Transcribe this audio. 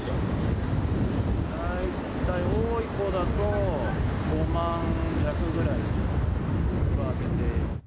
大体多い子だと、５万弱ぐらいはあげて。